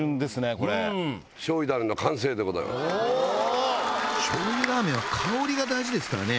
これしょう油ラーメンは香りが大事ですからね